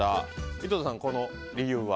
井戸田さん、この理由は？